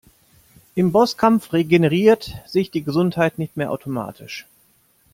Im Bosskampf regeneriert sich die Gesundheit nicht mehr automatisch.